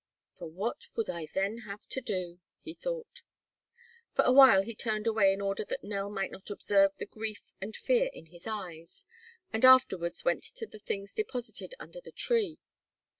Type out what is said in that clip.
"For what would I then have to do?" he thought. For a while he turned away in order that Nell might not observe the grief and fear in his eyes, and afterwards went to the things deposited under the tree.